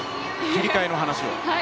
切り替えのお話を。